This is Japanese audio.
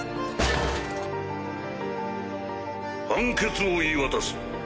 判決を言い渡す。